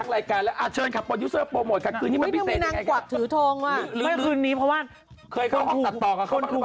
ไม่ต้องตอบเป็นหรอกทั้งรายการเลย